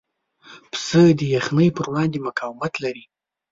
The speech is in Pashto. پسه د یخنۍ پر وړاندې مقاومت لري.